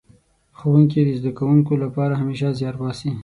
ښوونکي د زده کوونکو لپاره همېشه زيار باسي.